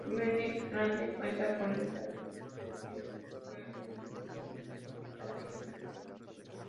Mene Grande cuenta con estadio de fútbol, iglesia, escuelas, liceos, hospital e infraestructura.